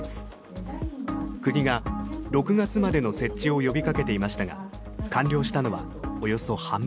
国が６月までの設置を呼びかけていましたが完了したのはおよそ半分。